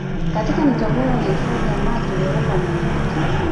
Katika Mto Voi na hifadhi ya maji iliyoumbwa ndani yake